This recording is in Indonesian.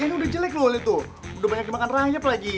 ini udah jelek loh lihat tuh udah banyak dimakan rayap lagi